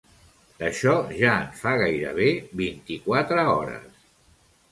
D'això ja en fa gairebé vint-i-quatre hores.